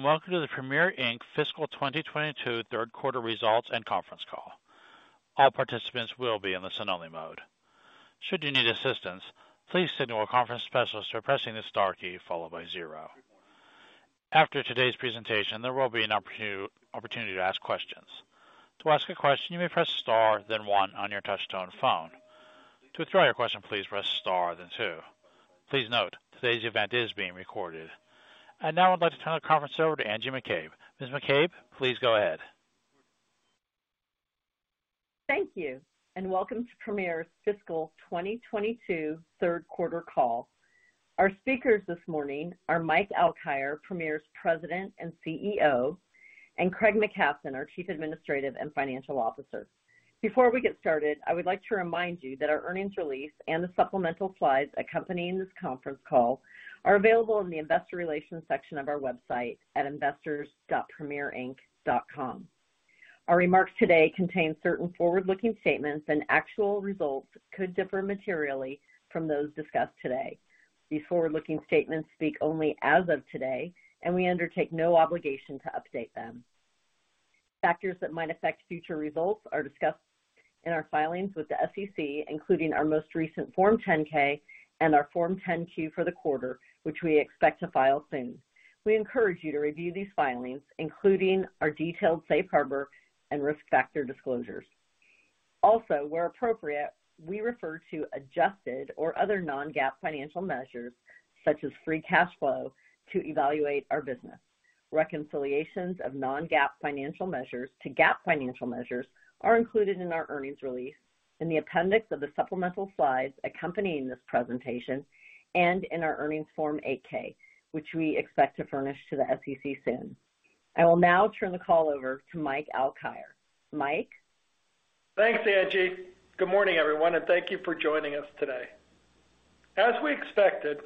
Welcome to the Premier, Inc. fiscal 2022 third quarter results and conference call. All participants will be in the listen only mode. Should you need assistance, please signal a conference specialist by pressing the star key followed by zero. After today's presentation, there will be an opportunity to ask questions. To ask a question, you may press star then one on your touch-tone phone. To withdraw your question, please press star then two. Please note, today's event is being recorded. Now I'd like to turn the conference over to Angie McCabe. Ms. McCabe, please go ahead. Thank you, and welcome to Premier's fiscal 2022 third quarter call. Our speakers this morning are Mike Alkire, Premier's President and CEO, and Craig McKasson, our Chief Administrative and Financial Officer. Before we get started, I would like to remind you that our earnings release and the supplemental slides accompanying this conference call are available in the investor relations section of our website at investors.premierinc.com. Our remarks today contain certain forward-looking statements, and actual results could differ materially from those discussed today. These forward-looking statements speak only as of today, and we undertake no obligation to update them. Factors that might affect future results are discussed in our filings with the SEC, including our most recent Form 10-K and our Form 10-Q for the quarter, which we expect to file soon. We encourage you to review these filings, including our detailed safe harbor and risk factor disclosures. Also, where appropriate, we refer to adjusted or other non-GAAP financial measures, such as free cash flow, to evaluate our business. Reconciliations of non-GAAP financial measures to GAAP financial measures are included in our earnings release in the appendix of the supplemental slides accompanying this presentation and in our earnings Form 8-K, which we expect to furnish to the SEC soon. I will now turn the call over to Mike Alkire. Mike? Thanks, Angie. Good morning, everyone, and thank you for joining us today. As we expected,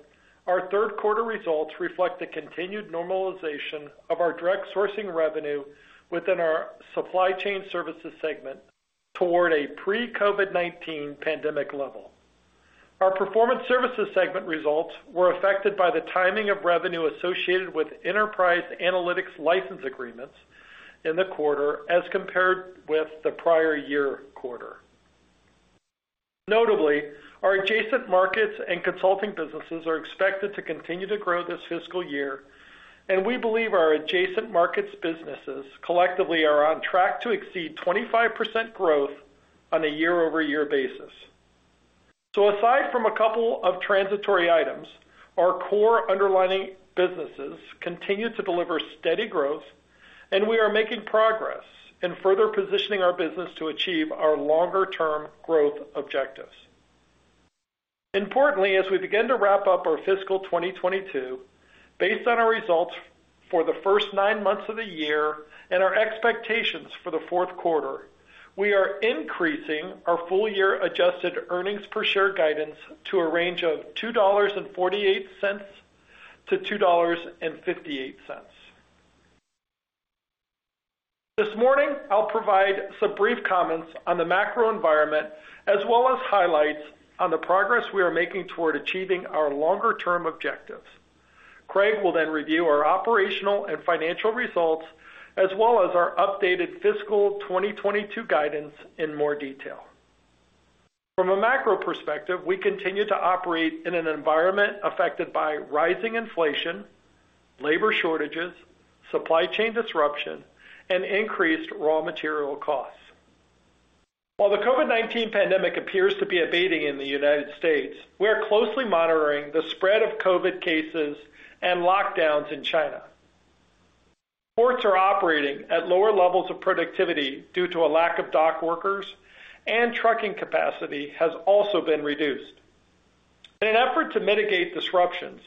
our third quarter results reflect the continued normalization of our direct sourcing revenue within our Supply Chain Services segment toward a pre-COVID-19 pandemic level. Our Performance Services segment results were affected by the timing of revenue associated with enterprise analytics license agreements in the quarter as compared with the prior year quarter. Notably, our adjacent markets and consulting businesses are expected to continue to grow this fiscal year, and we believe our adjacent markets businesses collectively are on track to exceed 25% growth on a year-over-year basis. Aside from a couple of transitory items, our core underlying businesses continue to deliver steady growth, and we are making progress in further positioning our business to achieve our longer-term growth objectives. Importantly, as we begin to wrap up our fiscal 2022, based on our results for the first nine months of the year and our expectations for the fourth quarter, we are increasing our full year adjusted earnings per share guidance to a range of $2.48-$2.58. This morning, I'll provide some brief comments on the macro environment as well as highlights on the progress we are making toward achieving our longer-term objectives. Craig will then review our operational and financial results as well as our updated fiscal 2022 guidance in more detail. From a macro perspective, we continue to operate in an environment affected by rising inflation, labor shortages, supply chain disruption, and increased raw material costs. While the COVID-19 pandemic appears to be abating in the United States, we are closely monitoring the spread of COVID cases and lockdowns in China. Ports are operating at lower levels of productivity due to a lack of dock workers, and trucking capacity has also been reduced. In an effort to mitigate disruptions,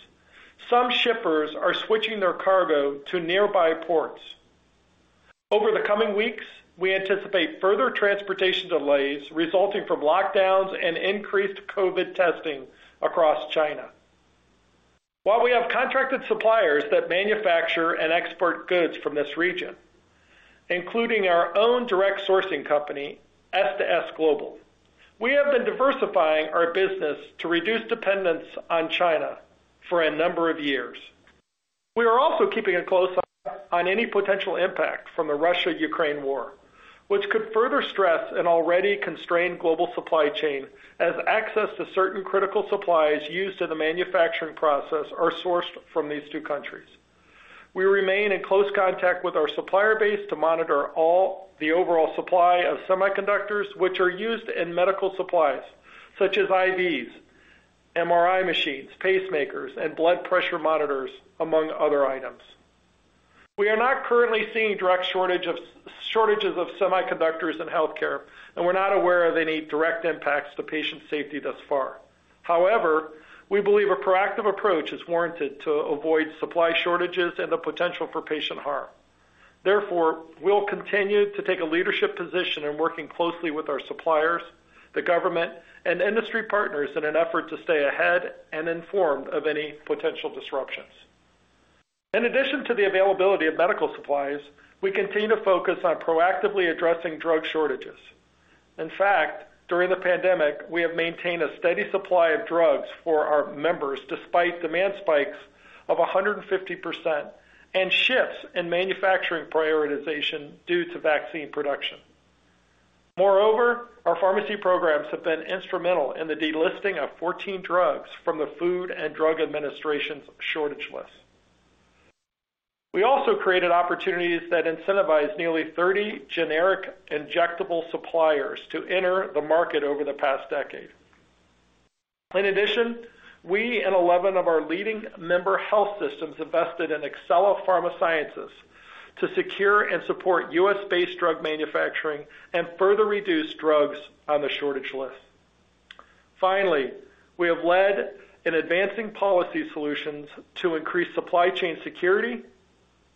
some shippers are switching their cargo to nearby ports. Over the coming weeks, we anticipate further transportation delays resulting from lockdowns and increased COVID testing across China. While we have contracted suppliers that manufacture and export goods from this region, including our own direct sourcing company, S2S Global, we have been diversifying our business to reduce dependence on China for a number of years. We are also keeping a close eye on any potential impact from the Russia-Ukraine war, which could further stress an already constrained global supply chain as access to certain critical supplies used in the manufacturing process are sourced from these two countries. We remain in close contact with our supplier base to monitor all the overall supply of semiconductors which are used in medical supplies such as IVs, MRI machines, pacemakers, and blood pressure monitors, among other items. We are not currently seeing direct shortages of semiconductors in healthcare, and we're not aware of any direct impacts to patient safety thus far. However, we believe a proactive approach is warranted to avoid supply shortages and the potential for patient harm. Therefore, we'll continue to take a leadership position in working closely with our suppliers, the government, and industry partners in an effort to stay ahead and informed of any potential disruptions. In addition to the availability of medical supplies, we continue to focus on proactively addressing drug shortages. In fact, during the pandemic, we have maintained a steady supply of drugs for our members despite demand spikes of 150% and shifts in manufacturing prioritization due to vaccine production. Moreover, our pharmacy programs have been instrumental in the delisting of 14 drugs from the Food and Drug Administration's shortage list. We also created opportunities that incentivized nearly 30 generic injectable suppliers to enter the market over the past decade. In addition, we and 11 of our leading member health systems invested in Exela Pharma Sciences to secure and support U.S.-based drug manufacturing and further reduce drugs on the shortage list. Finally, we have led in advancing policy solutions to increase supply chain security,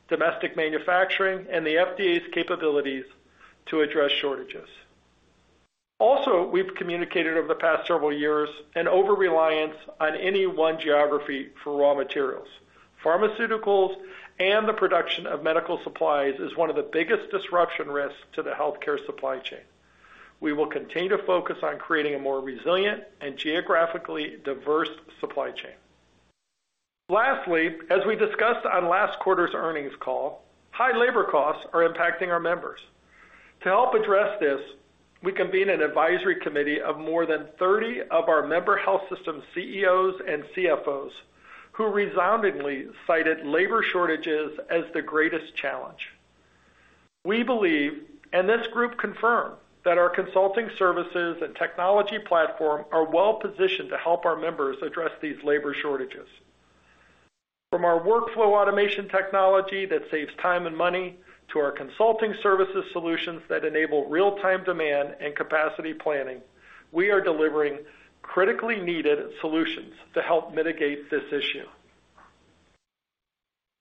domestic manufacturing, and the FDA's capabilities to address shortages. Also, we've communicated over the past several years an over-reliance on any one geography for raw materials. Pharmaceuticals and the production of medical supplies is one of the biggest disruption risks to the healthcare supply chain. We will continue to focus on creating a more resilient and geographically diverse supply chain. Lastly, as we discussed on last quarter's earnings call, high labor costs are impacting our members. To help address this, we convened an advisory committee of more than 30 of our member health system CEOs and CFOs, who resoundingly cited labor shortages as the greatest challenge. We believe, and this group confirmed, that our consulting services and technology platform are well-positioned to help our members address these labor shortages. From our workflow automation technology that saves time and money to our consulting services solutions that enable real-time demand and capacity planning, we are delivering critically needed solutions to help mitigate this issue.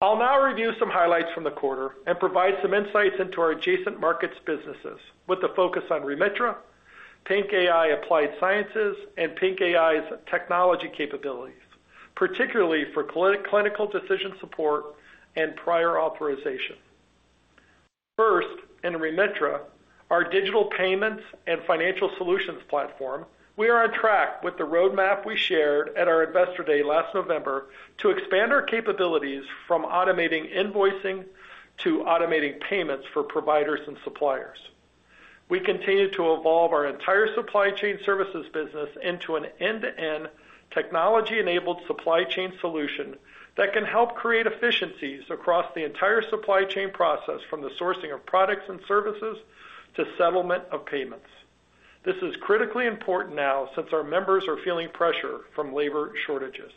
I'll now review some highlights from the quarter and provide some insights into our adjacent markets businesses with a focus on Remitra, PINC AI Applied Sciences, and PINC AI's technology capabilities, particularly for clinical decision support and prior authorization. First, in Remitra, our digital payments and financial solutions platform, we are on track with the roadmap we shared at our Investor Day last November to expand our capabilities from automating invoicing to automating payments for providers and suppliers. We continue to evolve our entire Supply Chain Services business into an end-to-end technology-enabled supply chain solution that can help create efficiencies across the entire supply chain process from the sourcing of products and services to settlement of payments. This is critically important now since our members are feeling pressure from labor shortages.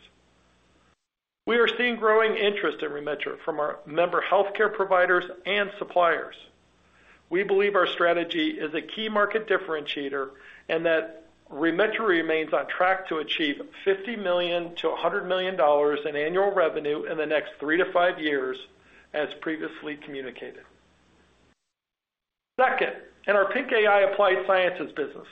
We are seeing growing interest in Remitra from our member healthcare providers and suppliers. We believe our strategy is a key market differentiator and that Remitra remains on track to achieve $50 million-$100 million in annual revenue in the next 3-5 years as previously communicated. Second, in our PINC AI Applied Sciences business,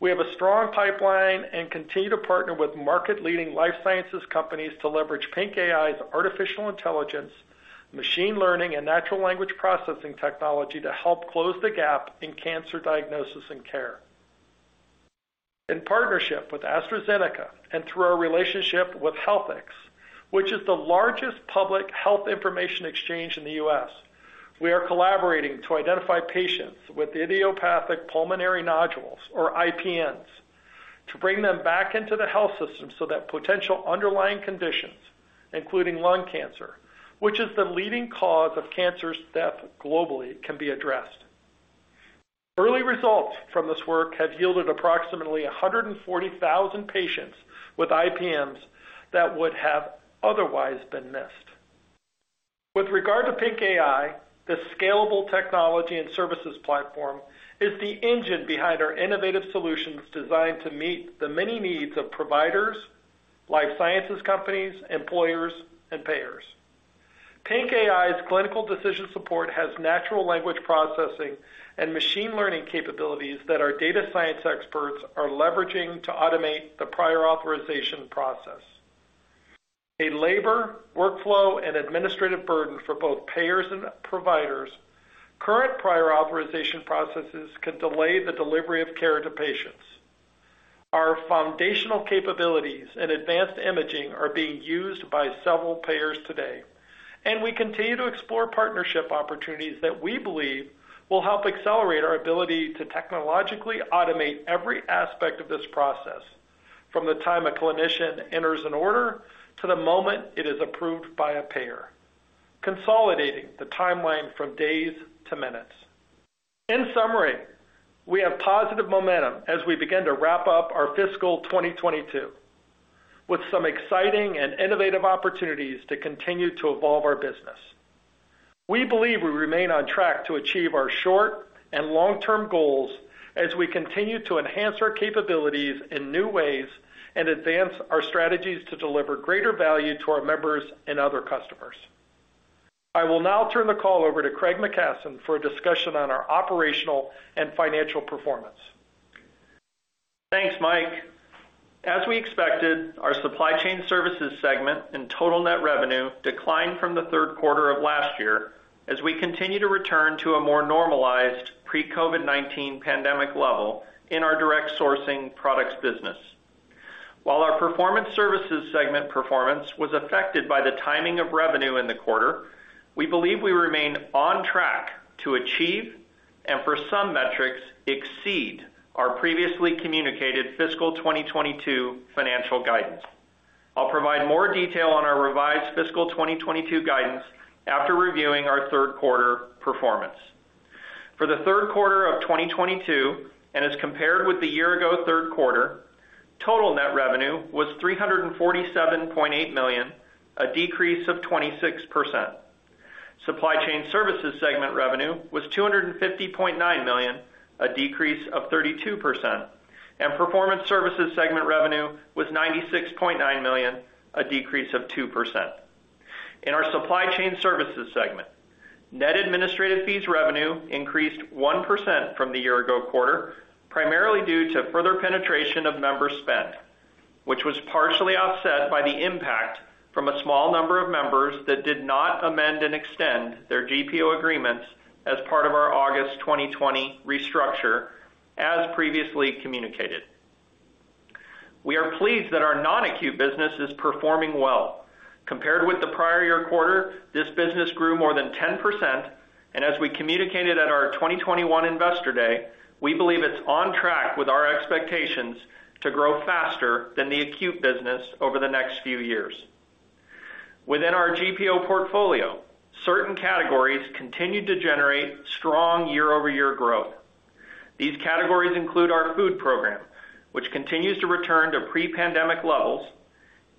we have a strong pipeline and continue to partner with market-leading life sciences companies to leverage PINC AI's artificial intelligence, machine learning, and natural language processing technology to help close the gap in cancer diagnosis and care. In partnership with AstraZeneca and through our relationship with Healthix, which is the largest public health information exchange in the U.S., we are collaborating to identify patients with incidental pulmonary nodules, or IPNs, to bring them back into the health system so that potential underlying conditions, including lung cancer, which is the leading cause of cancer deaths globally, can be addressed. Early results from this work have yielded approximately 140,000 patients with IPNs that would have otherwise been missed. With regard to PINC AI, the scalable technology and services platform is the engine behind our innovative solutions designed to meet the many needs of providers, life sciences companies, employers, and payers. PINC AI's Clinical Decision Support has Natural Language Processing and Machine Learning capabilities that our data science experts are leveraging to automate the prior authorization process. A labor, workflow, and administrative burden for both payers and providers, current Prior Authorization processes can delay the delivery of care to patients. Our foundational capabilities and advanced imaging are being used by several payers today, and we continue to explore partnership opportunities that we believe will help accelerate our ability to technologically automate every aspect of this process, from the time a clinician enters an order to the moment it is approved by a payer, consolidating the timeline from days to minutes. In summary, we have positive momentum as we begin to wrap up our fiscal 2022, with some exciting and innovative opportunities to continue to evolve our business. We believe we remain on track to achieve our short- and long-term goals as we continue to enhance our capabilities in new ways and advance our strategies to deliver greater value to our members and other customers. I will now turn the call over to Craig McKasson for a discussion on our operational and financial performance. Thanks, Mike. As we expected, our Supply Chain Services segment and total net revenue declined from the third quarter of last year as we continue to return to a more normalized pre-COVID-19 pandemic level in our direct sourcing products business. While our Performance Services segment performance was affected by the timing of revenue in the quarter, we believe we remain on track to achieve, and for some metrics, exceed our previously communicated fiscal 2022 financial guidance. I'll provide more detail on our revised fiscal 2022 guidance after reviewing our third quarter performance. For the third quarter of 2022, and as compared with the year ago third quarter, total net revenue was $347.8 million, a decrease of 26%. Supply Chain Services segment revenue was $250.9 million, a decrease of 32%, and Performance Services segment revenue was $96.9 million, a decrease of 2%. In our Supply Chain Services segment, net administrative fees revenue increased 1% from the year ago quarter, primarily due to further penetration of member spend, which was partially offset by the impact from a small number of members that did not amend and extend their GPO agreements as part of our August 2020 restructure, as previously communicated. We are pleased that our non-acute business is performing well. Compared with the prior year quarter, this business grew more than 10%, and as we communicated at our 2021 Investor Day, we believe it's on track with our expectations to grow faster than the acute business over the next few years. Within our GPO portfolio, certain categories continued to generate strong year-over-year growth. These categories include our food program, which continues to return to pre-pandemic levels,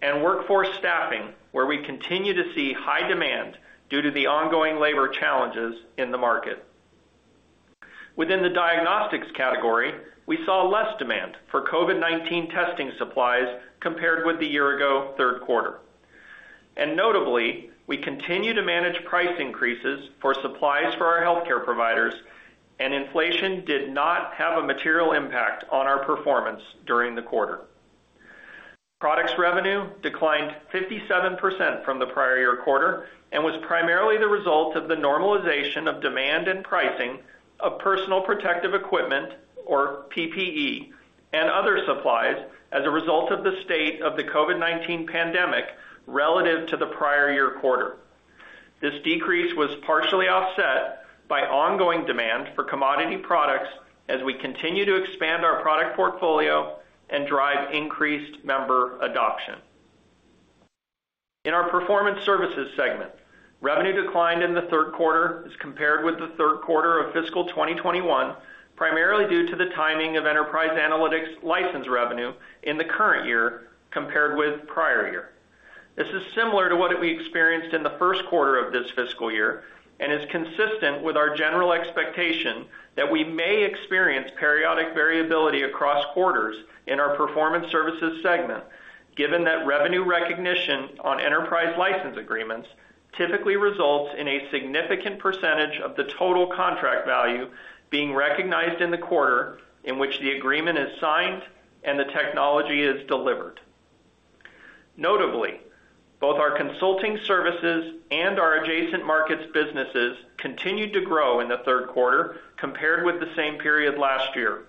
and workforce staffing, where we continue to see high demand due to the ongoing labor challenges in the market. Within the diagnostics category, we saw less demand for COVID-19 testing supplies compared with the year-ago third quarter. Notably, we continue to manage price increases for supplies for our healthcare providers, and inflation did not have a material impact on our performance during the quarter. Products revenue declined 57% from the prior year quarter and was primarily the result of the normalization of demand and pricing of personal protective equipment, or PPE, and other supplies as a result of the state of the COVID-19 pandemic relative to the prior year quarter. This decrease was partially offset by ongoing demand for commodity products as we continue to expand our product portfolio and drive increased member adoption. In our Performance Services segment, revenue declined in the third quarter as compared with the third quarter of fiscal 2021, primarily due to the timing of enterprise analytics license revenue in the current year compared with prior year. This is similar to what we experienced in the first quarter of this fiscal year and is consistent with our general expectation that we may experience periodic variability across quarters in our Performance Services segment, given that revenue recognition on enterprise license agreements typically results in a significant percentage of the total contract value being recognized in the quarter in which the agreement is signed and the technology is delivered. Notably, both our consulting services and our adjacent markets businesses continued to grow in the third quarter compared with the same period last year.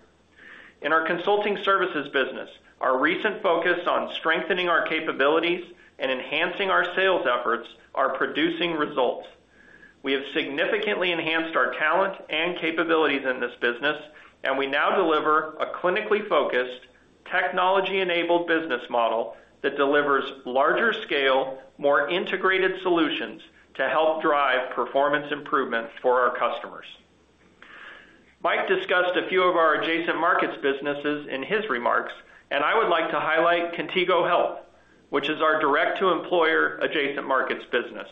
In our consulting services business, our recent focus on strengthening our capabilities and enhancing our sales efforts are producing results. We have significantly enhanced our talent and capabilities in this business, and we now deliver a clinically focused, technology-enabled business model that delivers larger scale, more integrated solutions to help drive performance improvements for our customers. Mike discussed a few of our adjacent markets businesses in his remarks, and I would like to highlight Contigo Health, which is our direct-to-employer adjacent markets business.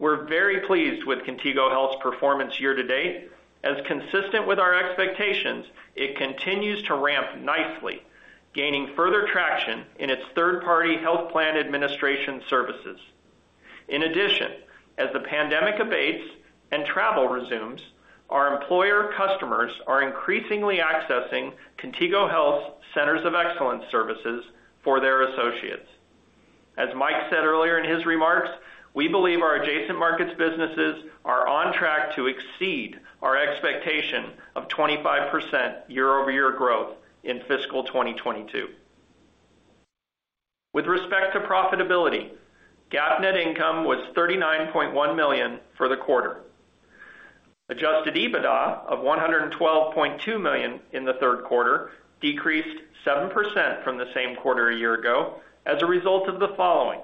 We're very pleased with Contigo Health's performance year to date. As consistent with our expectations, it continues to ramp nicely, gaining further traction in its third-party health plan administration services. In addition, as the pandemic abates and travel resumes, our employer customers are increasingly accessing Contigo Health's Centers of Excellence services for their associates. As Mike said earlier in his remarks, we believe our adjacent markets businesses are on track to exceed our expectation of 25% year-over-year growth in fiscal 2022. With respect to profitability, GAAP net income was $39.1 million for the quarter. Adjusted EBITDA of $112.2 million in the third quarter decreased 7% from the same quarter a year ago as a result of the following.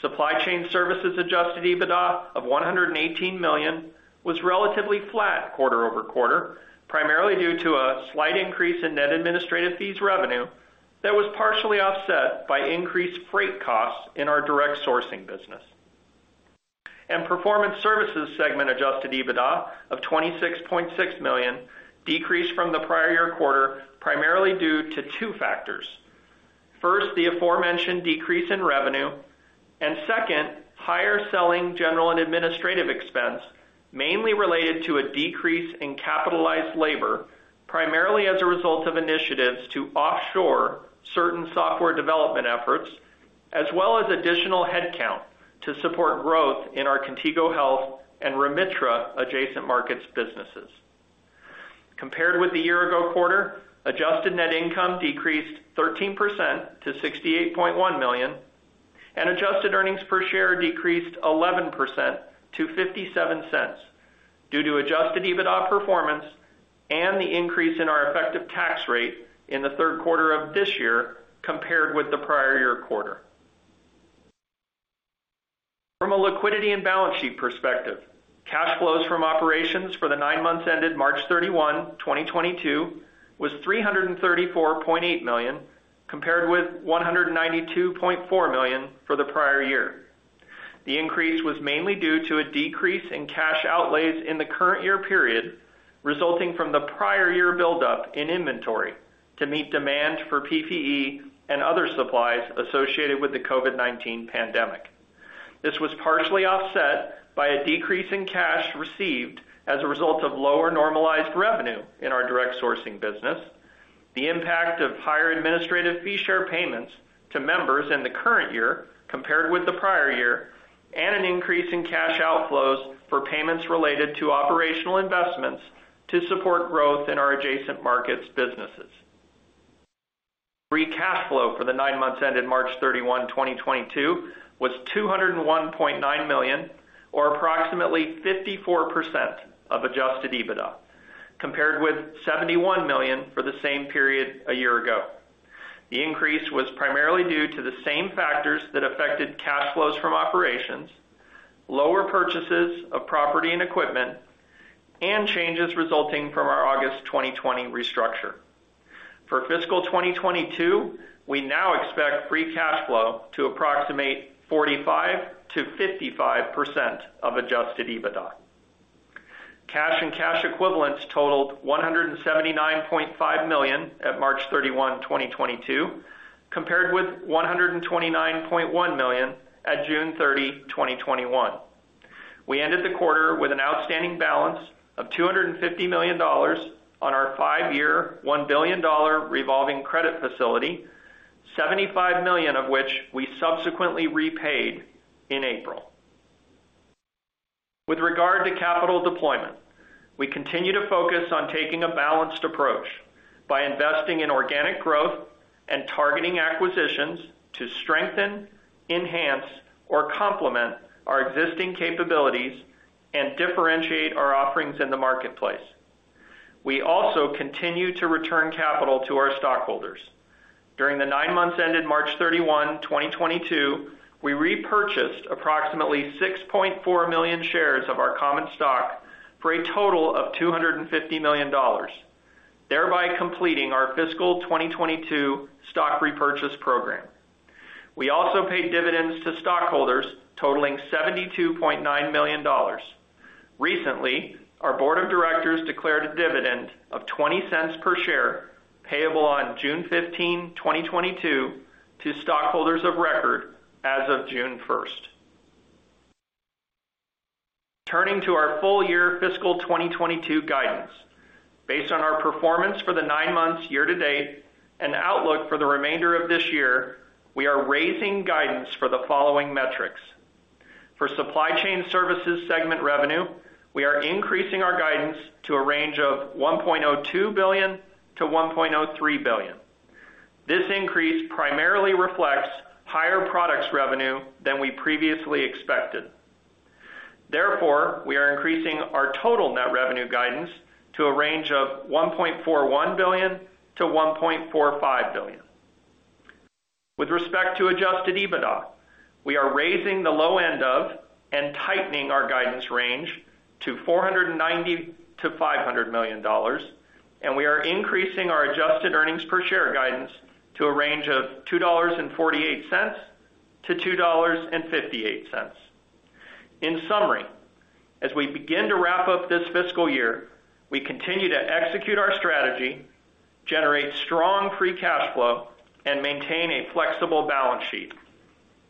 Supply Chain Services adjusted EBITDA of $118 million was relatively flat quarter-over-quarter, primarily due to a slight increase in net administrative fees revenue that was partially offset by increased freight costs in our direct sourcing business. Performance Services segment adjusted EBITDA of $26.6 million decreased from the prior year quarter, primarily due to two factors. First, the aforementioned decrease in revenue, and second, higher selling general and administrative expense, mainly related to a decrease in capitalized labor, primarily as a result of initiatives to offshore certain software development efforts, as well as additional headcount to support growth in our Contigo Health and Remitra Adjacent Markets businesses. Compared with the year-ago quarter, adjusted net income decreased 13% to $68.1 million, and adjusted earnings per share decreased 11% to $0.57 due to adjusted EBITDA performance and the increase in our effective tax rate in the third quarter of this year compared with the prior year quarter. From a liquidity and balance sheet perspective, cash flows from operations for the nine months ended March 31, 2022 was $334.8 million, compared with $192.4 million for the prior year. The increase was mainly due to a decrease in cash outlays in the current year period, resulting from the prior year buildup in inventory to meet demand for PPE and other supplies associated with the COVID-19 pandemic. This was partially offset by a decrease in cash received as a result of lower normalized revenue in our direct sourcing business, the impact of higher administrative fee share payments to members in the current year compared with the prior year, and an increase in cash outflows for payments related to operational investments to support growth in our Adjacent Markets businesses. Free cash flow for the 9 months ended March 31, 2022 was $201.9 million, or approximately 54% of adjusted EBITDA, compared with $71 million for the same period a year ago. The increase was primarily due to the same factors that affected cash flows from operations, lower purchases of property and equipment, and changes resulting from our August 2020 restructure. For fiscal 2022, we now expect free cash flow to approximate 45%-55% of adjusted EBITDA. Cash and cash equivalents totaled $179.5 million at March 31, 2022, compared with $129.1 million at June 30, 2021. We ended the quarter with an outstanding balance of $250 million on our five-year, $1 billion revolving credit facility, $75 million of which we subsequently repaid in April. With regard to capital deployment, we continue to focus on taking a balanced approach by investing in organic growth and targeting acquisitions to strengthen, enhance, or complement our existing capabilities and differentiate our offerings in the marketplace. We also continue to return capital to our stockholders. During the nine months ended March 31, 2022, we repurchased approximately 6.4 million shares of our common stock for a total of $250 million, thereby completing our fiscal 2022 stock repurchase program. We also paid dividends to stockholders totaling $72.9 million. Recently, our board of directors declared a dividend of $0.20 per share, payable on June 15, 2022 to stockholders of record as of June 1. Turning to our full year fiscal 2022 guidance. Based on our performance for the nine months year-to-date and outlook for the remainder of this year, we are raising guidance for the following metrics. For Supply Chain Services segment revenue, we are increasing our guidance to a range of $1.02 billion-$1.03 billion. This increase primarily reflects higher products revenue than we previously expected. Therefore, we are increasing our total net revenue guidance to a range of $1.41 billion-$1.45 billion. With respect to adjusted EBITDA, we are raising the low end of and tightening our guidance range to $490 million-$500 million, and we are increasing our adjusted earnings per share guidance to a range of $2.48-$2.58. In summary, as we begin to wrap up this fiscal year, we continue to execute our strategy, generate strong free cash flow, and maintain a flexible balance sheet.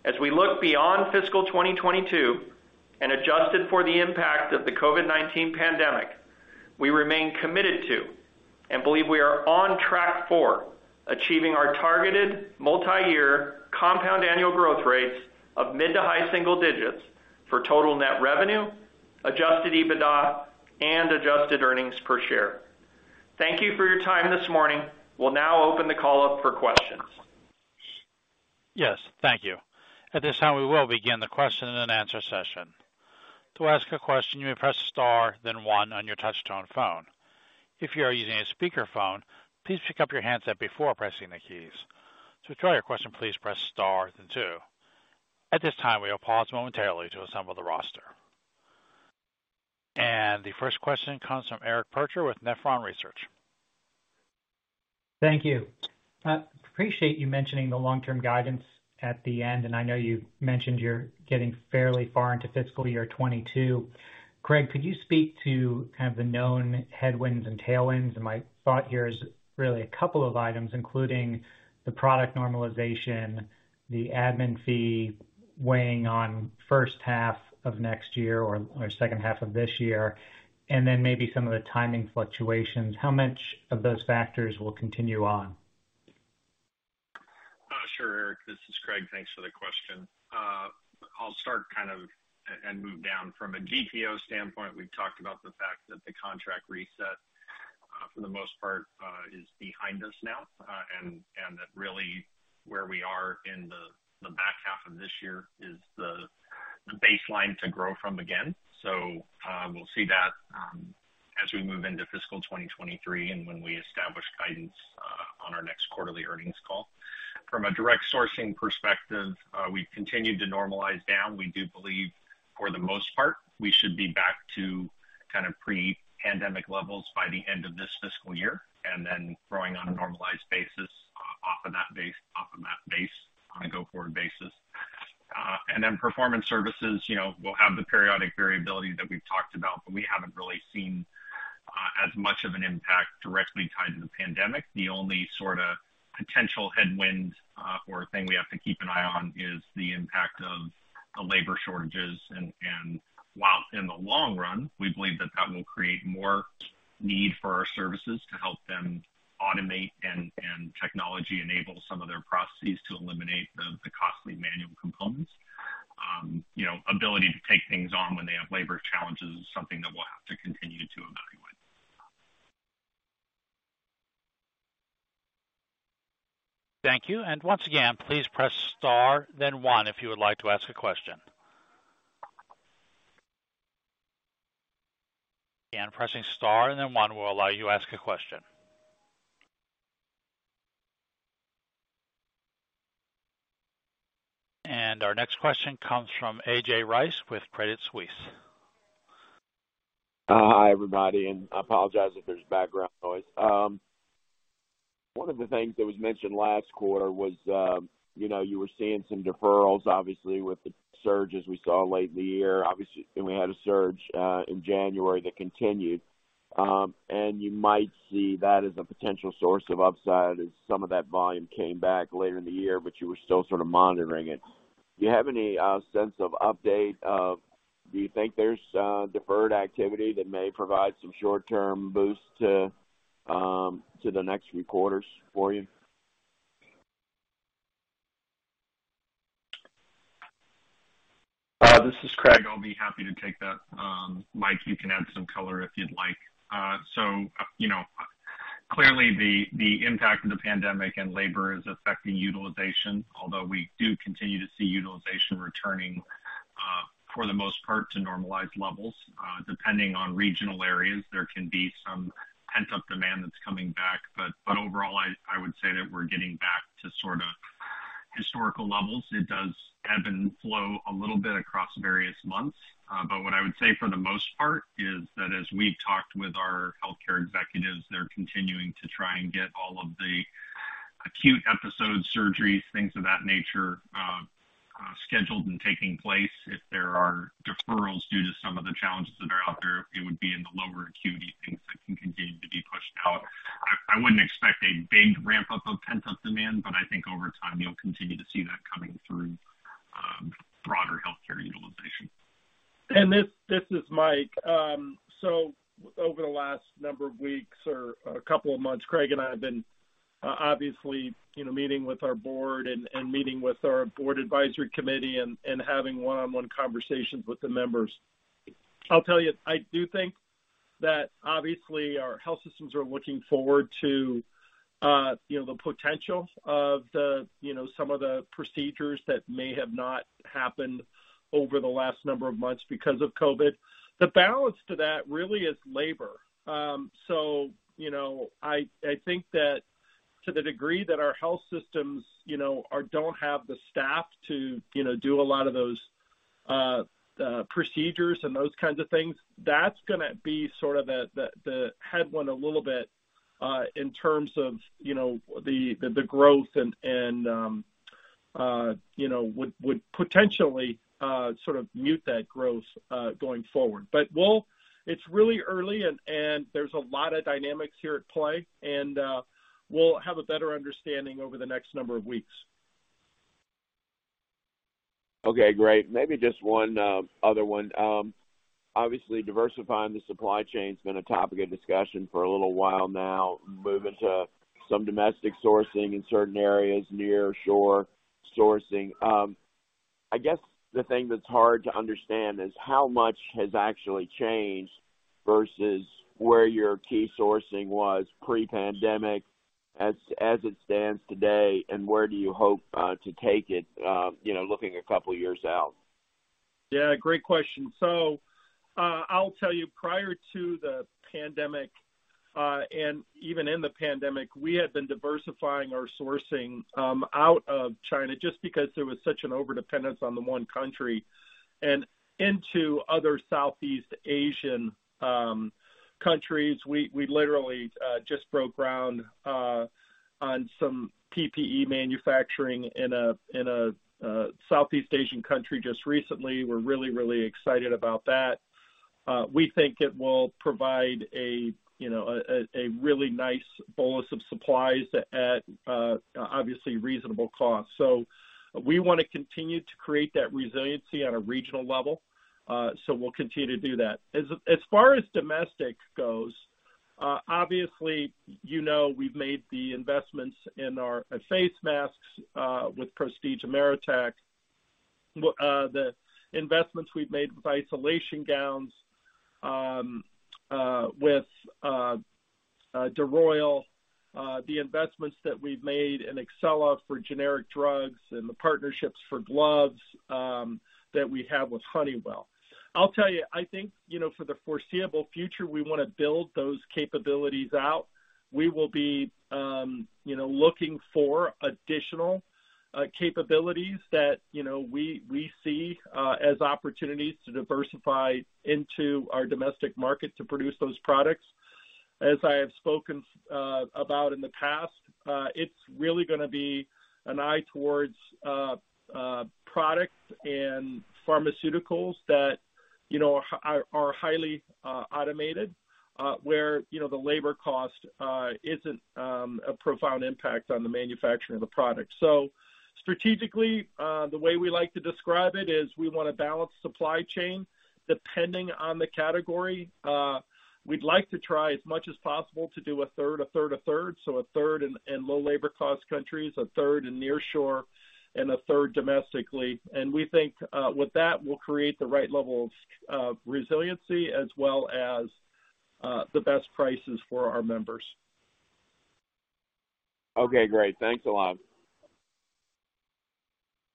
As we look beyond fiscal 2022 and adjusted for the impact of the COVID-19 pandemic, we remain committed to and believe we are on track for achieving our targeted multi-year compound annual growth rates of mid- to high single-digits for total net revenue, adjusted EBITDA, and adjusted earnings per share. Thank you for your time this morning. We'll now open the call up for questions. Yes, thank you. At this time, we will begin the question and answer session. To ask a question, you may press star then one on your touchtone phone. If you are using a speakerphone, please pick up your handset before pressing the keys. To withdraw your question, please press star then two. At this time, we will pause momentarily to assemble the roster. The first question comes from Eric Percher with Nephron Research. Thank you. Appreciate you mentioning the long-term guidance at the end, and I know you mentioned you're getting fairly far into fiscal year 2022. Craig, could you speak to kind of the known headwinds and tailwinds? My thought here is really a couple of items, including the product normalization, the admin fee weighing on first half of next year or second half of this year, and then maybe some of the timing fluctuations. How much of those factors will continue on? Sure, Eric. This is Craig. Thanks for the question. I'll start and move down. From a GPO standpoint, we've talked about the fact that the contract reset, for the most part, is behind us now, and that really where we are in the back half of this year is the baseline to grow from again. We'll see that as we move into fiscal 2023 and when we establish guidance on our next quarterly earnings call. From a direct sourcing perspective, we've continued to normalize down. We do believe, for the most part, we should be back to kind of pre-pandemic levels by the end of this fiscal year and then growing on a normalized basis off of that base on a go-forward basis. Then performance services, will have the periodic variability that we've talked about, but we haven't really seen as much of an impact directly tied to the pandemic. The only sorta potential headwind or thing we have to keep an eye on is the impact of the labor shortages. While in the long run, we believe that that will create more need for our services to help them automate and technology enable some of their processes to eliminate the costly manual components. Ability to take things on when they have labor challenges is something that we'll have to continue to evaluate. Thank you. Once again, please press star then one if you would like to ask a question. Again, pressing star and then one will allow you to ask a question. Our next question comes from A.J. Rice with Credit Suisse. Hi, everybody, and I apologize if there's background noise. One of the things that was mentioned last quarter was, you were seeing some deferrals, obviously, with the surge, as we saw late in the year. Obviously, we had a surge in January that continued. You might see that as a potential source of upside as some of that volume came back later in the year, but you were still sort of monitoring it. Do you have any sense of update of, do you think there's deferred activity that may provide some short-term boost to the next few quarters for you? This is Craig. I'll be happy to take that. Mike, you can add some color if you'd like. Clearly the impact of the pandemic and labor is affecting utilization, although we do continue to see utilization returning, for the most part, to normalized levels. Depending on regional areas, there can be some pent-up demand that's coming back. Overall, I would say that we're getting back to sorta historical levels. It does ebb and flow a little bit across various months. What I would say for the most part is that as we've talked with our healthcare executives, they're continuing to try and get all of the acute episode surgeries, things of that nature, scheduled and taking place. If there are deferrals due to some of the challenges that are out there, it would be in the lower acuity things that can continue to be pushed out. I wouldn't expect a big ramp-up of pent-up demand, but I think over time, you'll continue to see that coming through, broader healthcare utilization. This is Mike. Over the last number of weeks or a couple of months, Craig and I have been obviously, you know, meeting with our board and meeting with our board advisory committee and having one-on-one conversations with the members. I'll tell you, I do think that obviously our health systems are looking forward to, you know, the potential of the, you know, some of the procedures that may have not happened over the last number of months because of COVID. The balance to that really is labor. I think that to the degree that our health systems, you know, don't have the staff to, you know, do a lot of those procedures and those kinds of things, that's gonna be sort of the headwind a little bit in terms of, the growth and would potentially sort of mute that growth going forward. It's really early and there's a lot of dynamics here at play, and we'll have a better understanding over the next number of weeks. Okay, great. Maybe just one other one. Obviously diversifying the supply chain's been a topic of discussion for a little while now, moving to some domestic sourcing in certain areas, nearshore sourcing. I guess the thing that's hard to understand is how much has actually changed versus where your key sourcing was pre-pandemic as it stands today, and where do you hope to take it, looking a couple years out? Yeah, great question. I'll tell you, prior to the pandemic and even in the pandemic, we have been diversifying our sourcing out of China just because there was such an overdependence on the one country and into other Southeast Asian countries. We literally just broke ground on some PPE manufacturing in a Southeast Asian country just recently. We're really excited about that. We think it will provide a really nice bolus of supplies at obviously reasonable cost. We want to continue to create that resiliency on a regional level, so we'll continue to do that. As far as domestic goes, obviously, you know we've made the investments in our face masks with Prestige Ameritech, the investments we've made with isolation gowns with DeRoyal, the investments that we've made in Exela Pharma Sciences for generic drugs and the partnerships for gloves that we have with Honeywell. I'll tell you, I think for the foreseeable future, we wanna build those capabilities out. We will be, you know, looking for additional capabilities that we see as opportunities to diversify into our domestic market to produce those products. As I have spoken about in the past, it's really gonna be an eye towards products and pharmaceuticals that, you know, are highly automated, where, the labor cost isn't a profound impact on the manufacturing of the product. Strategically, the way we like to describe it is we want a balanced supply chain depending on the category. We'd like to try as much as possible to do a third in low labor cost countries, a third in nearshore, and a third domestically. We think with that, we'll create the right level of resiliency as well as the best prices for our members. Okay, great. Thanks a lot.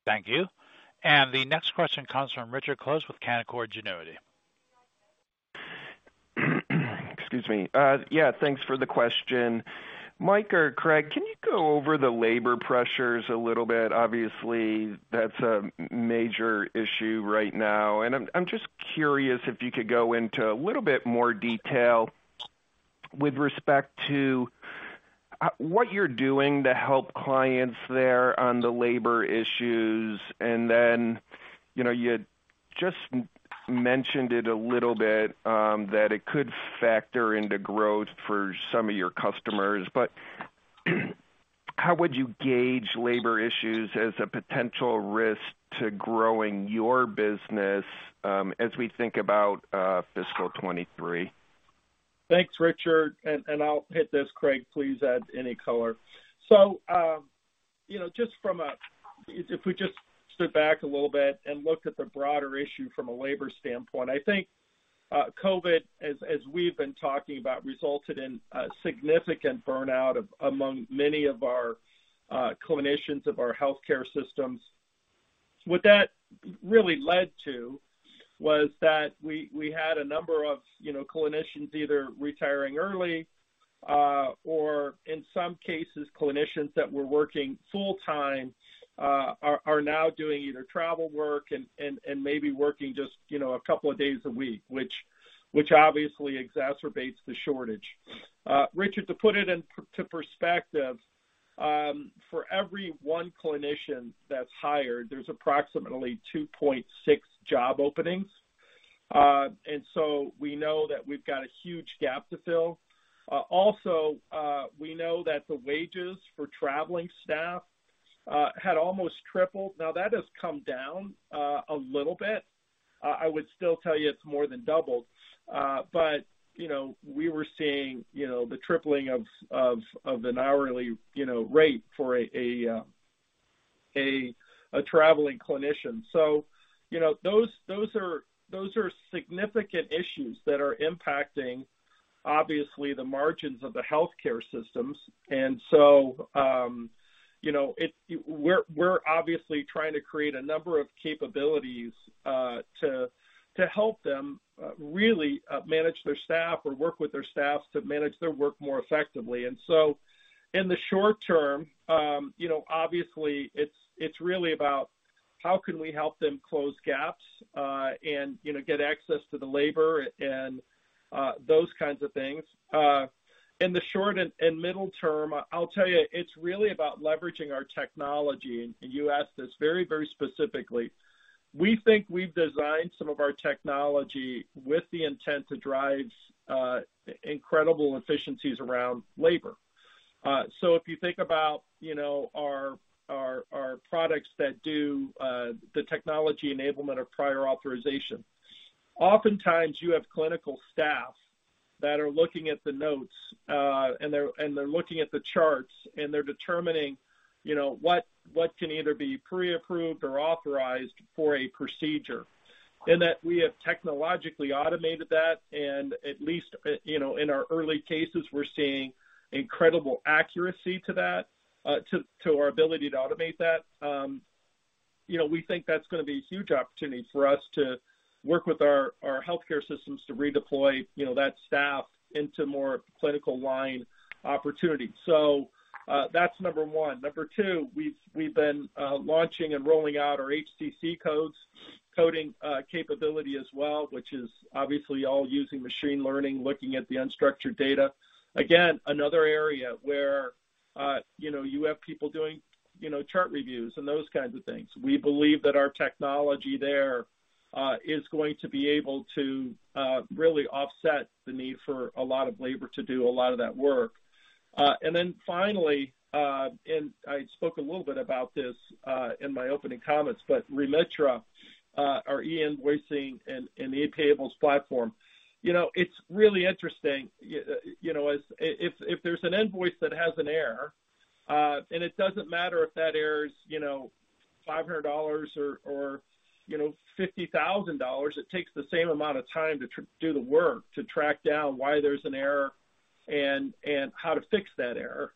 Thank you. The next question comes from Richard Close with Canaccord Genuity. Excuse me. Yeah, thanks for the question. Mike or Craig, can you go over the labor pressures a little bit? Obviously, that's a major issue right now, and I'm just curious if you could go into a little bit more detail with respect to what you're doing to help clients there on the labor issues. You just mentioned it a little bit that it could factor into growth for some of your customers. How would you gauge labor issues as a potential risk to growing your business as we think about fiscal 2023? Thanks, Richard. I'll hit this. Craig, please add any color. You know, just from a— If we just stood back a little bit and looked at the broader issue from a labor standpoint, I think COVID, as we've been talking about, resulted in a significant burnout among many of our clinicians of our healthcare systems. What that really led to was that we had a number of, clinicians either retiring early, or in some cases, clinicians that were working full time are now doing either travel work and maybe working just, a couple of days a week, which obviously exacerbates the shortage. Richard, to put it into perspective, for every one clinician that's hired, there's approximately 2.6 job openings. We know that we've got a huge gap to fill. We know that the wages for traveling staff had almost tripled. Now, that has come down a little bit. I would still tell you it's more than doubled. We were seeing, the tripling of an hourly, you know, rate for a traveling clinician. You know, those are significant issues that are impacting, obviously, the margins of the healthcare systems. We're obviously trying to create a number of capabilities to help them really manage their staff or work with their staff to manage their work more effectively. In the short term, you know, obviously it's really about how can we help them close gaps and you know get access to the labor and those kinds of things. In the short and middle term, I'll tell you, it's really about leveraging our technology. You asked this very, very specifically. We think we've designed some of our technology with the intent to drive incredible efficiencies around labor. If you think about, our products that do the technology enablement of Prior Authorization, oftentimes you have clinical staff that are looking at the notes and they're looking at the charts, and they're determining, you know, what can either be pre-approved or authorized for a procedure. In that, we have technologically automated that, and at least, in our early cases, we're seeing incredible accuracy to that, to our ability to automate that. We think that's gonna be a huge opportunity for us to work with our healthcare systems to redeploy, you know, that staff into more clinical line opportunities. That's number one. Number two, we've been launching and rolling out our HCC codes coding capability as well, which is obviously all using machine learning, looking at the unstructured data. Again, another area where, you know, you have people doing, you know, chart reviews and those kinds of things. We believe that our technology there is going to be able to really offset the need for a lot of labor to do a lot of that work. Then finally, I spoke a little bit about this in my opening comments, but Remitra, our e-invoicing and e-payables platform. It's really interesting, if there's an invoice that has an error, and it doesn't matter if that error is, you know, $500 or $50,000, it takes the same amount of time to do the work to track down why there's an error and how to fix that error.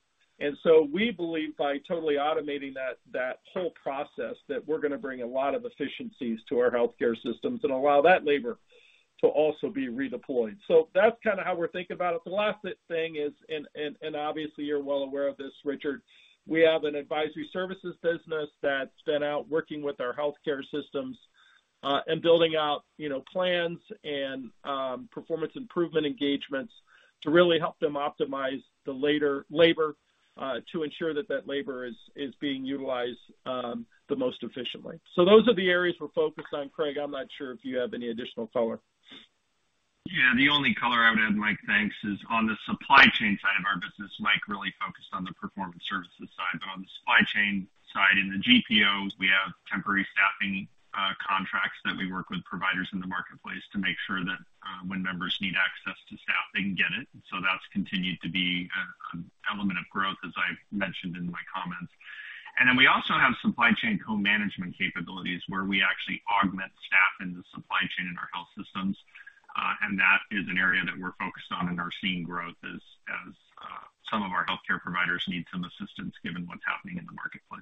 We believe by totally automating that whole process, that we're gonna bring a lot of efficiencies to our healthcare systems and allow that labor to also be redeployed. That's kinda how we're thinking about it. The last thing is, and obviously you're well aware of this, Richard. We have an advisory services business that's been out working with our healthcare systems, and building out, plans and performance improvement engagements to really help them optimize the later labor, to ensure that that labor is being utilized the most efficiently. Those are the areas we're focused on. Craig, I'm not sure if you have any additional color. Yeah. The only color I would add, Mike, thanks, is on the supply chain side of our business. Mike really focused on the performance services side, but on the supply chain side, in the GPO, we have temporary staffing contracts that we work with providers in the marketplace to make sure that when members need access to staff, they can get it. That's continued to be an element of growth, as I mentioned in my comments. Then we also have supply chain co-management capabilities where we actually augment staff in the supply chain in our health systems, and that is an area that we're focused on and are seeing growth as some of our healthcare providers need some assistance given what's happening in the marketplace.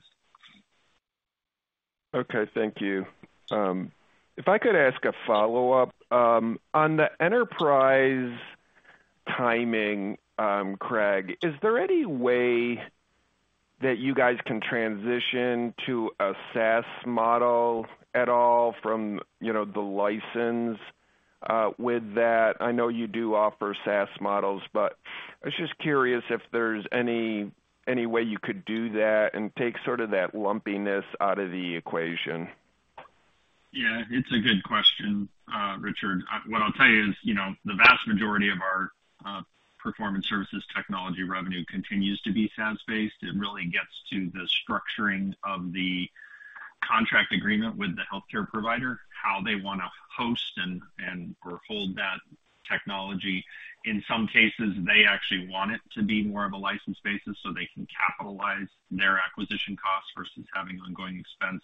Okay. Thank you. If I could ask a follow-up. On the enterprise timing, Craig, is there any way that you guys can transition to a SaaS model at all from, the license with that? I know you do offer SaaS models, but I was just curious if there's any way you could do that and take sort of that lumpiness out of the equation. Yeah, it's a good question, Richard. What I'll tell you is, the vast majority of our Performance Services technology revenue continues to be SaaS-based. It really gets to the structuring of the contract agreement with the healthcare provider, how they wanna host and/or hold that technology. In some cases, they actually want it to be more of a license basis, so they can capitalize their acquisition costs versus having ongoing expense.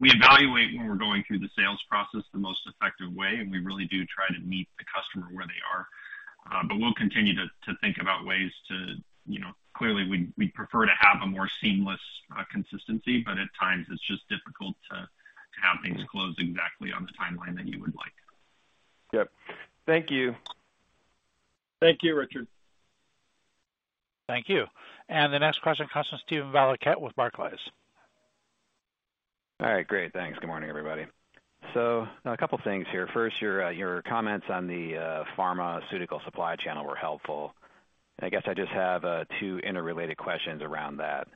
We evaluate when we're going through the sales process the most effective way, and we really do try to meet the customer where they are. But we'll continue to think about ways to you know, clearly, we'd prefer to have a more seamless consistency, but at times it's just difficult to have things close exactly on the timeline that you would like. Yep. Thank you. Thank you, Richard. Thank you. The next question comes from Steven Valiquette with Barclays. All right. Great. Thanks. Good morning, everybody. A couple things here. First, your comments on the pharmaceutical supply chain were helpful, and I guess I just have two interrelated questions around that.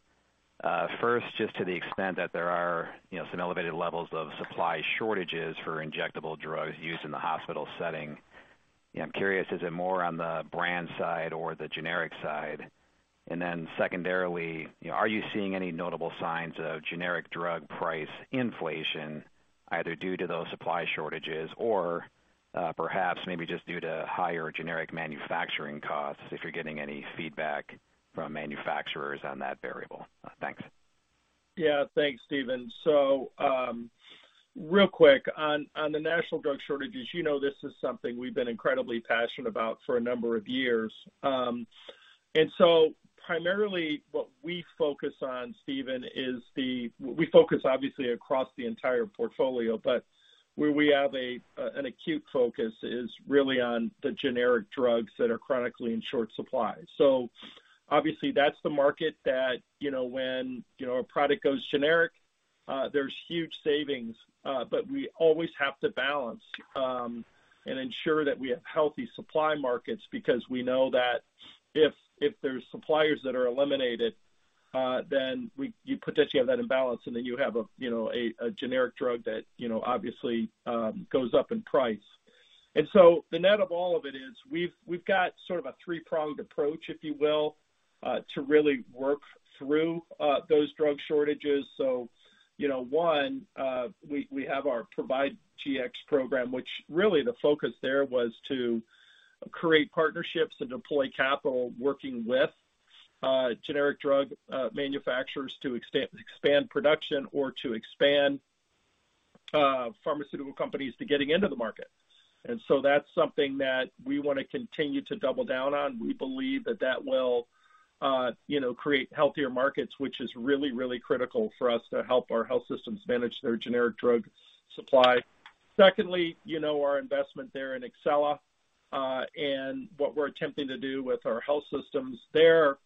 First, just to the extent that there are, some elevated levels of supply shortages for injectable drugs used in the hospital setting, I'm curious, is it more on the brand side or the generic side? And then secondarily, are you seeing any notable signs of generic drug price inflation either due to those supply shortages or perhaps maybe just due to higher generic manufacturing costs, if you're getting any feedback from manufacturers on that variable? Thanks. Yeah. Thanks, Steven. Real quick, on the national drug shortages, you know this is something we've been incredibly passionate about for a number of years. Primarily what we focus on, Steven. We focus obviously across the entire portfolio, but where we have an acute focus is really on the generic drugs that are chronically in short supply. Obviously, that's the market that, you know, when you know a product goes generic, there's huge savings, but we always have to balance and ensure that we have healthy supply markets because we know that if there's suppliers that are eliminated, then you potentially have that imbalance, and then you have a generic drug that, obviously, goes up in price. The net of all of it is we've got sort of a three-pronged approach, if you will, to really work through those drug shortages. One, we have our ProvideGx program, which really the focus there was to create partnerships and deploy capital working with generic drug manufacturers to expand production or to expand pharmaceutical companies to getting into the market. That's something that we wanna continue to double down on. We believe that will, create healthier markets, which is really, really critical for us to help our health systems manage their generic drug supply. Secondly, you know, our investment there in Exela, and what we're attempting to do with our health systems there,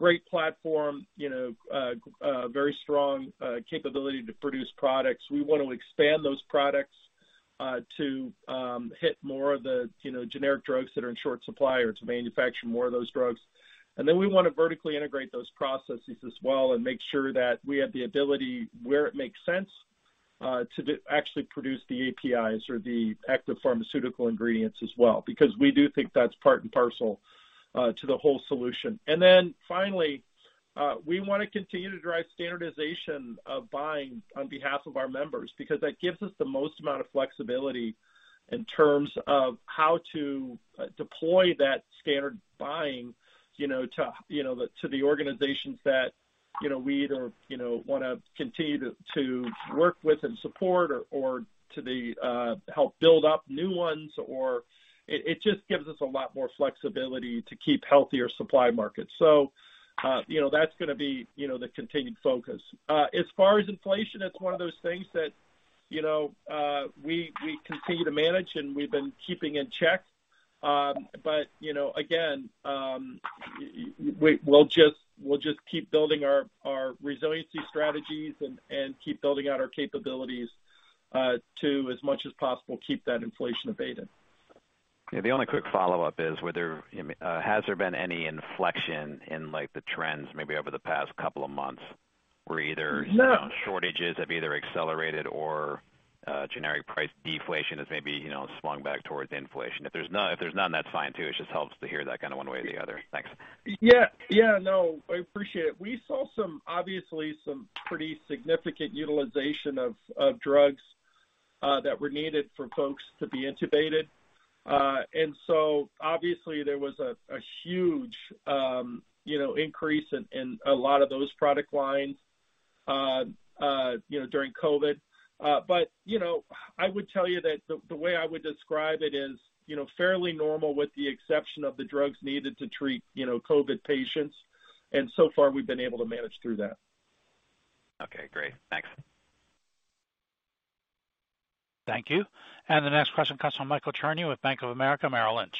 great platform, you know, a very strong capability to produce products. We want to expand those products to hit more of the, generic drugs that are in short supply or to manufacture more of those drugs. We wanna vertically integrate those processes as well and make sure that we have the ability, where it makes sense, to actually produce the APIs or the active pharmaceutical ingredients as well, because we do think that's part and parcel to the whole solution. We wanna continue to drive standardization of buying on behalf of our members, because that gives us the most amount of flexibility in terms of how to deploy that standard buying, you know, to the organizations that, you know, wanna continue to work with and support or to help build up new ones, or. It just gives us a lot more flexibility to keep healthier supply markets. You know, that's gonna be, you know, the continued focus. As far as inflation, it's one of those things that, you know, we continue to manage and we've been keeping in check. Again, we'll just keep building our resiliency strategies and keep building out our capabilities, to, as much as possible, keep that inflation abated. Yeah. The only quick follow-up is, has there been any inflection in, like, the trends maybe over the past couple of months, where either- No. Shortages have either accelerated or generic price deflation has maybe, you know, swung back towards inflation? If there's none, that's fine too. It just helps to hear that kinda one way or the other. Thanks. Yeah. Yeah. No, I appreciate it. We saw some obviously some pretty significant utilization of drugs that were needed for folks to be intubated. Obviously there was a huge you know increase in a lot of those product lines you know during COVID. I would tell you that the way I would describe it is you know fairly normal with the exception of the drugs needed to treat you know COVID patients. So far we've been able to manage through that. Okay, great. Thanks. Thank you. The next question comes from Michael Cherny with Bank of America Merrill Lynch.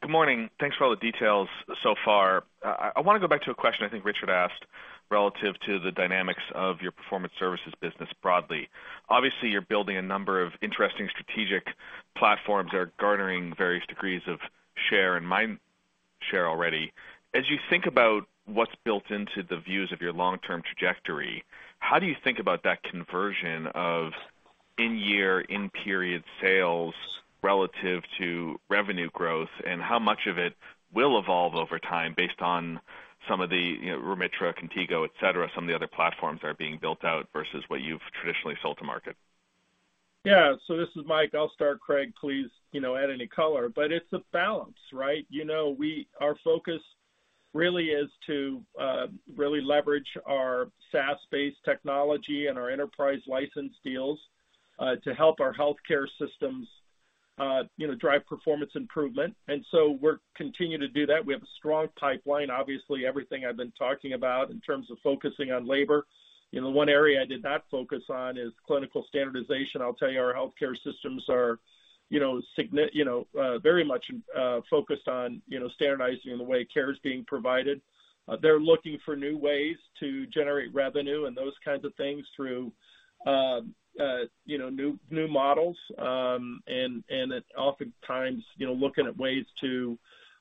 Good morning. Thanks for all the details so far. I wanna go back to a question I think Richard asked relative to the dynamics of your Performance Services business broadly. Obviously, you're building a number of interesting strategic platforms that are garnering various degrees of share and mind share already. As you think about what's built into the views of your long-term trajectory, how do you think about that conversion of in-year, in-period sales relative to revenue growth, and how much of it will evolve over time based on some of the, you know, Remitra, Contigo, et cetera, some of the other platforms that are being built out versus what you've traditionally sold to market? Yeah. This is Mike. I'll start. Craig, please, you know, add any color. It's a balance, right? You know, our focus really is to really leverage our SaaS-based technology and our enterprise license deals to help our healthcare systems, drive performance improvement. We're continuing to do that. We have a strong pipeline. Obviously, everything I've been talking about in terms of focusing on labor. You know, one area I did not focus on is clinical standardization. I'll tell you, our healthcare systems are, you know, you know, very much focused on, you know, standardizing the way care is being provided. They're looking for new ways to generate revenue and those kinds of things through you know new models and at often times you know looking at ways to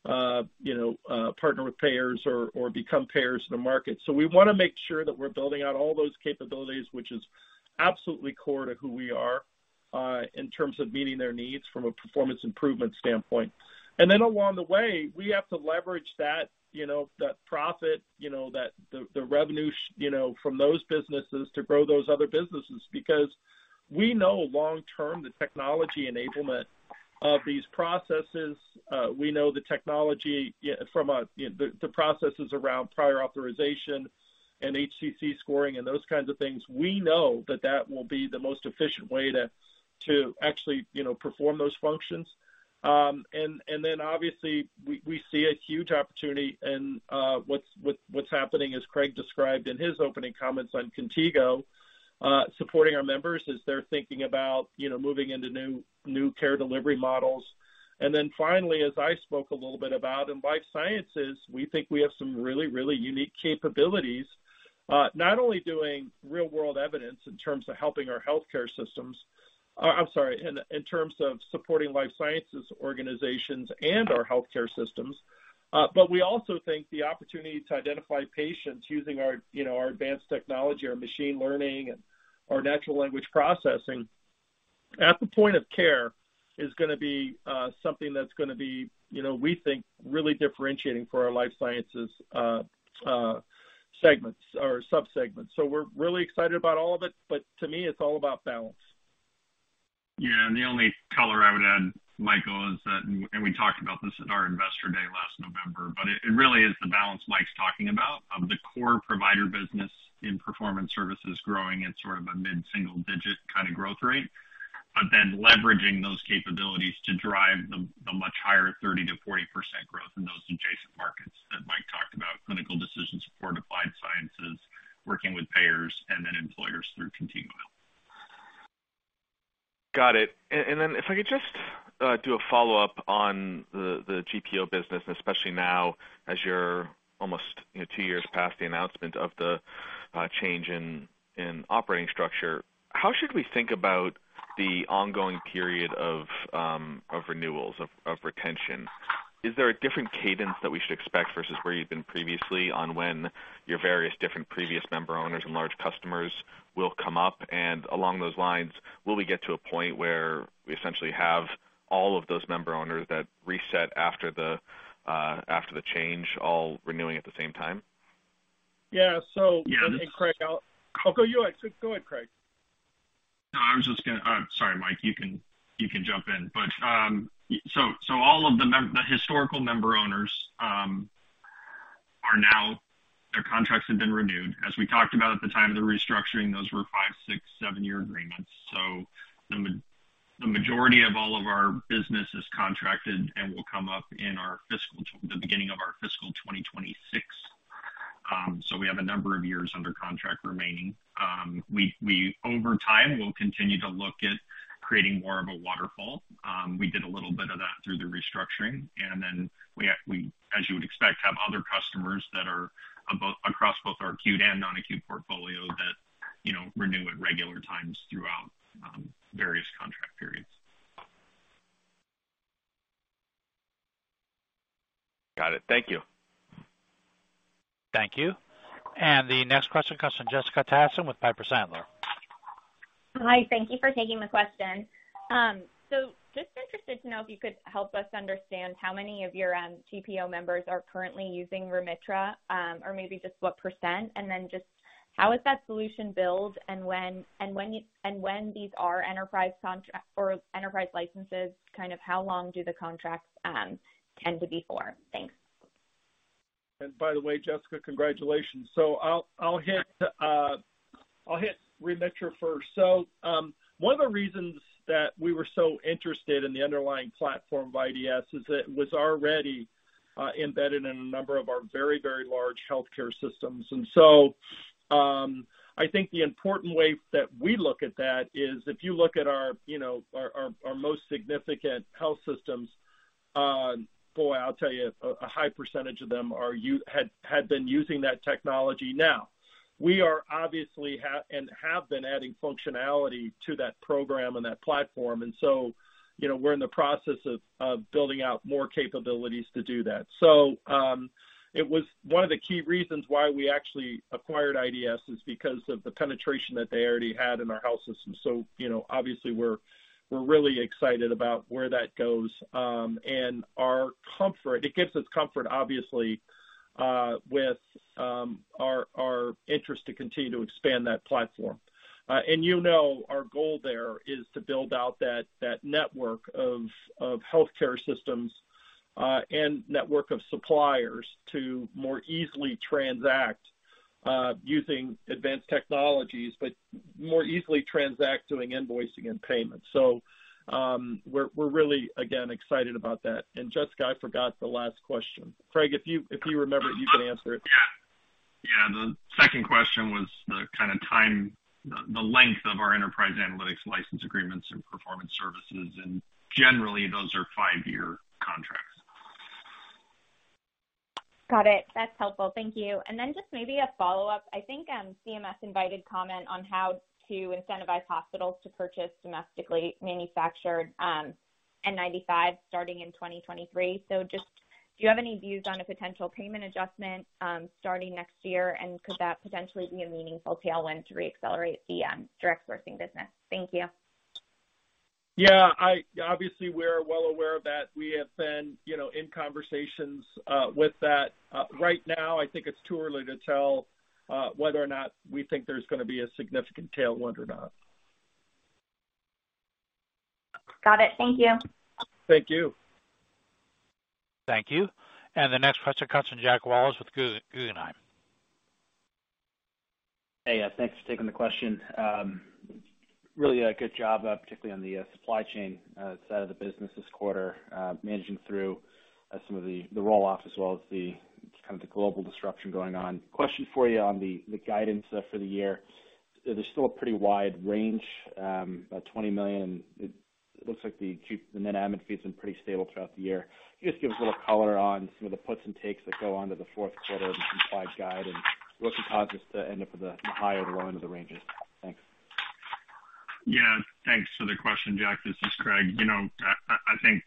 you know partner with payers or become payers in the market. We wanna make sure that we're building out all those capabilities, which is absolutely core to who we are in terms of meeting their needs from a performance improvement standpoint. Then along the way, we have to leverage that you know that profit you know the revenue you know from those businesses to grow those other businesses. Because we know long-term the technology enablement of these processes, we know the technology from you know the processes around prior authorization and HCC scoring and those kinds of things. We know that will be the most efficient way to actually, perform those functions. Then obviously we see a huge opportunity in what's happening, as Craig described in his opening comments on Contigo, supporting our members as they're thinking about, moving into new care delivery models. Then finally, as I spoke a little bit about in life sciences, we think we have some really unique capabilities, not only doing real-world evidence in terms of helping our healthcare systems. In terms of supporting life sciences organizations and our healthcare systems, but we also think the opportunity to identify patients using our, you know, our advanced technology, our machine learning, and our natural language processing at the point of care is gonna be something that's gonna be, we think, really differentiating for our life sciences segments or subsegments. We're really excited about all of it, but to me, it's all about balance. Yeah, the only color I would add, Michael, is that, and we talked about this at our Investor Day last November, but it really is the balance Mike's talking about of the core provider business in Performance Services growing at sort of a mid-single digit kind of growth rate, but then leveraging those capabilities to drive the much higher 30%-40% growth in those adjacent markets that Mike talked about, Clinical Decision Support, Applied Sciences, working with payers and then employers through Contigo. Got it. If I could just do a follow-up on the GPO business, and especially now as you're almost, you know, two years past the announcement of the change in operating structure. How should we think about the ongoing period of renewals, of retention? Is there a different cadence that we should expect versus where you've been previously on when your various different previous member owners and large customers will come up? Along those lines, will we get to a point where we essentially have all of those member owners that reset after the change all renewing at the same time? Yeah. Yeah. Craig, you go. Go ahead, Craig. No, I was just gonna sorry, Mike, you can jump in. All of the historical member owners are now, their contracts have been renewed. As we talked about at the time of the restructuring, those were 5, 6, 7-year agreements. The majority of all of our business is contracted and will come up in our fiscal to the beginning of our fiscal 2026. We have a number of years under contract remaining. We over time will continue to look at creating more of a waterfall. We did a little bit of that through the restructuring, and then we, as you would expect, have other customers that are across both our acute and non-acute portfolio that, you know, renew at regular times throughout various contract periods. Got it. Thank you. Thank you. The next question comes from Jessica Tassan with Piper Sandler. Hi. Thank you for taking the question. Just interested to know if you could help us understand how many of your GPO members are currently using Remitra, or maybe just what %? Just how is that solution billed and when, and when these are enterprise licenses, kind of how long do the contracts tend to be for? Thanks. By the way, Jessica, congratulations. I'll hit Remitra first. One of the reasons that we were so interested in the underlying platform of IDS is it was already embedded in a number of our very large healthcare systems. I think the important way that we look at that is if you look at our you know, our most significant health systems, boy, I'll tell you, a high percentage of them had been using that technology now. We are obviously and have been adding functionality to that program and that platform. We're in the process of building out more capabilities to do that. It was one of the key reasons why we actually acquired IDS, is because of the penetration that they already had in our health system. You know, obviously we're really excited about where that goes. Our comfort, it gives us comfort, obviously, with our interest to continue to expand that platform. Our goal there is to build out that network of healthcare systems and network of suppliers to more easily transact using advanced technologies, but more easily transact doing invoicing and payments. We're really, again, excited about that. Jessica, I forgot the last question. Craig, if you remember it, you can answer it. Yeah. Yeah. The second question was the kinda time, the length of our enterprise analytics license agreements and Performance Services, and generally those are five-year contracts. Got it. That's helpful. Thank you. Just maybe a follow-up. I think, CMS invited comment on how to incentivize hospitals to purchase domestically manufactured, N95 starting in 2023. Just do you have any views on a potential payment adjustment, starting next year? Could that potentially be a meaningful tailwind to reaccelerate the direct sourcing business? Thank you. Yeah. Obviously, we're well aware of that. We have been, in conversations with that. Right now, I think it's too early to tell whether or not we think there's gonna be a significant tailwind or not. Got it. Thank you. Thank you. Thank you. The next question comes from Jack Wallace with Guggenheim. Hey. Thanks for taking the question. Really a good job, particularly on the supply chain side of the business this quarter, managing through some of the roll-offs as well as the kind of the global disruption going on. Question for you on the guidance for the year. There's still a pretty wide range, about $20 million. It looks like the acute, the net admin fee's been pretty stable throughout the year. Can you just give us a little color on some of the puts and takes that go into the fourth quarter of the implied guide and what could cause us to end up at the high or the low end of the ranges? Thanks. Yeah. Thanks for the question, Jack. This is Craig. I think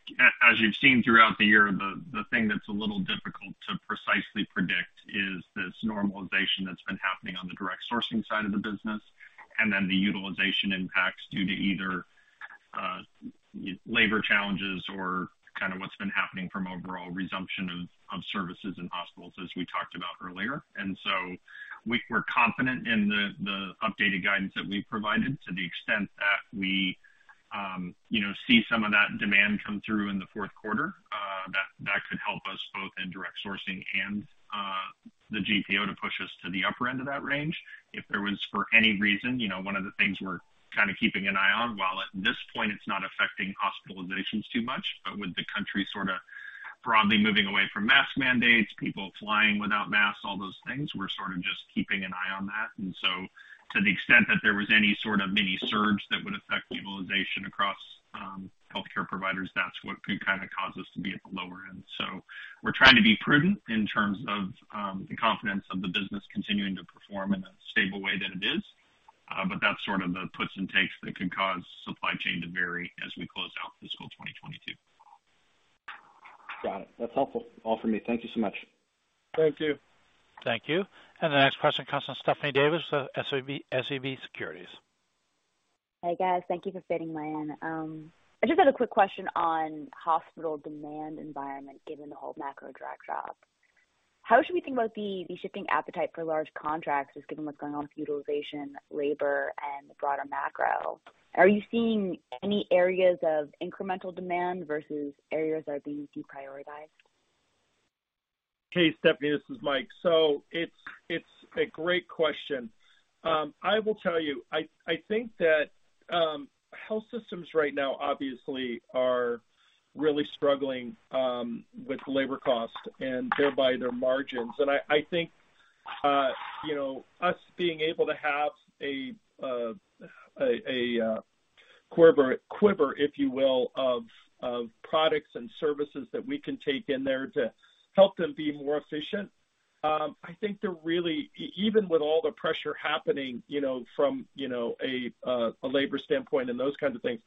as you've seen throughout the year, the thing that's a little difficult to precisely predict is this normalization that's been happening on the direct sourcing side of the business, and then the utilization impacts due to either labor challenges or kind of what's been happening from overall resumption of services in hospitals, as we talked about earlier. We're confident in the updated guidance that we've provided to the extent that we, you know, see some of that demand come through in the fourth quarter, that could help us both in direct sourcing and the GPO to push us to the upper end of that range. If there was for any reason, you know, one of the things we're kinda keeping an eye on, while at this point it's not affecting hospitalizations too much, but with the country sorta broadly moving away from mask mandates, people flying without masks, all those things, we're sort of just keeping an eye on that. To the extent that there was any sort of mini surge that would affect utilization across healthcare providers, that's what could kinda cause us to be at the lower end. We're trying to be prudent in terms of the confidence of the business continuing to perform in a stable way that it is. That's sort of the puts and takes that could cause supply chain to vary as we close out fiscal 2022. Got it. That's helpful. All for me. Thank you so much. Thank you. Thank you. The next question comes from Stephanie Davis with SVB Securities. Hey, guys. Thank you for fitting me in. I just had a quick question on hospital demand environment, given the whole macro backdrop. How should we think about the shifting appetite for large contracts just given what's going on with utilization, labor, and the broader macro? Are you seeing any areas of incremental demand versus areas that are being deprioritized? Okay, Stephanie, this is Mike. It's a great question. I will tell you, I think that health systems right now obviously are really struggling with labor costs and thereby their margins. I think you know us being able to have a quiver, if you will, of products and services that we can take in there to help them be more efficient. I think they're really even with all the pressure happening, you know, from you know a labor standpoint and those kinds of things.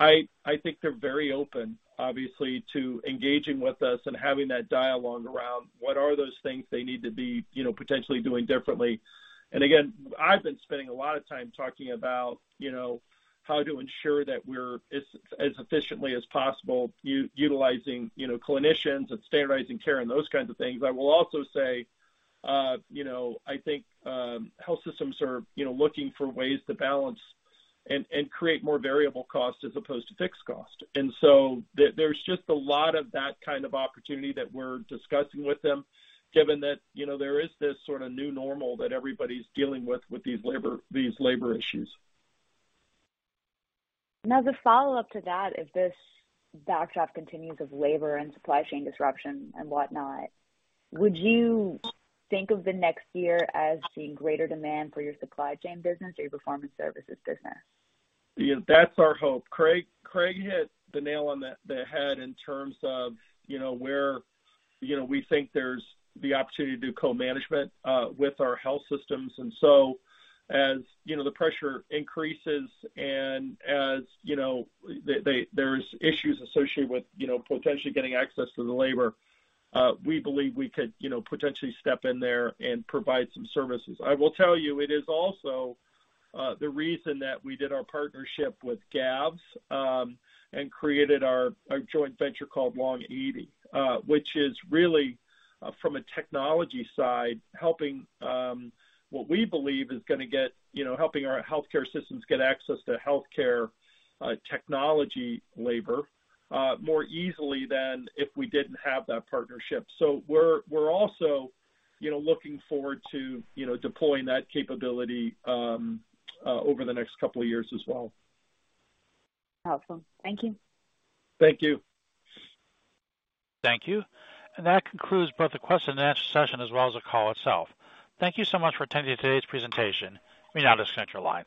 I think they're very open, obviously, to engaging with us and having that dialogue around what are those things they need to be, you know, potentially doing differently. Again, I've been spending a lot of time talking about, you know, how to ensure that we're as efficiently as possible utilizing, you know, clinicians and standardizing care and those kinds of things. I will also say, I think health systems are, you know, looking for ways to balance and create more variable costs as opposed to fixed cost. There's just a lot of that kind of opportunity that we're discussing with them, given that, there is this sorta new normal that everybody's dealing with these labor issues. Now, the follow-up to that, if this backdrop continues of labor and supply chain disruption and whatnot, would you think of the next year as seeing greater demand for your Supply Chain business or your Performance Services business? Yeah. That's our hope. Craig hit the nail on the head in terms of, you know, where, you know, we think there's the opportunity to do co-management with our health systems. As, you know, the pressure increases and as, there's issues associated with, you know, potentially getting access to the labor, we believe we could, you know, potentially step in there and provide some services. I will tell you, it is also the reason that we did our partnership with GAVS and created our joint venture called Long80, which is really from a technology side, helping our healthcare systems get access to healthcare technology labor more easily than if we didn't have that partnership. We're also, you know, looking forward to, you know, deploying that capability over the next couple of years as well. Awesome. Thank you. Thank you. Thank you. That concludes both the question and answer session as well as the call itself. Thank you so much for attending today's presentation. You may now disconnect your lines.